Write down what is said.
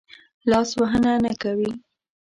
لاس وهنه نه کوي.